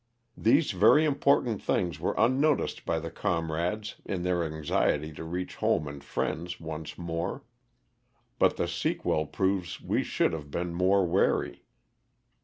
These very important things were unnoticed by the comrades in their anxiety to reach home and friends once more. But the sequel proves we should have been more wary.